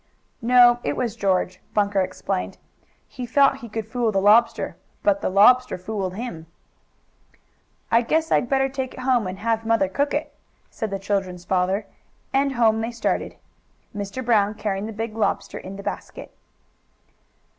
"No, it was George," Bunker explained. "He thought he could fool the lobster, but the lobster fooled him." "I guess I'd better take it home and have mother cook it," said the children's father, and home they started, Mr. Brown carrying the big lobster in the basket.